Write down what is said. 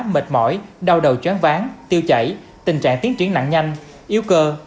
mệt mỏi đau đầu choán ván tiêu chảy tình trạng tiến triển nặng nhanh yếu cơ